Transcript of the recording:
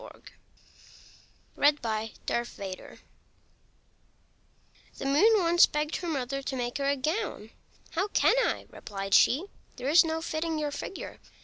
THE MOON AND HER MOTHER The Moon once begged her Mother to make her a gown. "How can I?" replied she; "there's no fitting your figure.